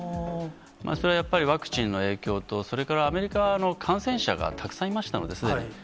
それはやっぱり、ワクチンの影響と、それからアメリカは、感染者がたくさんいましたので、すでに。